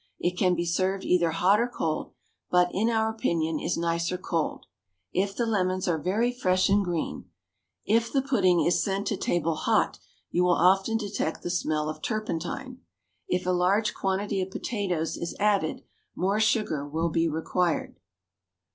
It can be served either hot or cold, but, in our opinion, is nicer cold. If the lemons are very fresh and green if the pudding is sent to table hot you will often detect the smell of turpentine. If a large quantity of potatoes is added more sugar will be required.